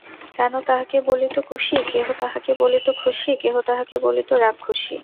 কেহ তাহাকে বলিত কুসি, কেহ তাহাকে বলিত খুশি, কেহ তাহাকে বলিত রাক্কুসি।